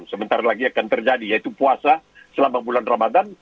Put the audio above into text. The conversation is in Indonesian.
sebentar lagi akan terjadi yaitu puasa selama bulan ramadan